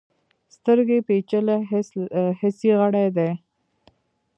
سترګې پیچلي حسي غړي دي.